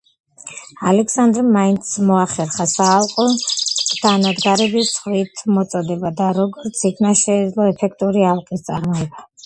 ალექსანდრემ მაინც მოახერხა საალყო დანადგარების ზღვით მოწოდება და როგორც იქნა შეეძლო ეფექტური ალყის წარმოება.